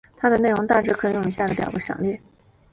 它的内容大致可以用以下的表格详列。